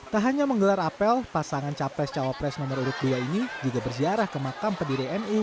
tak hanya menggelar apel pasangan capres cawapres nomor urut dua ini juga berziarah ke makam pendiri nu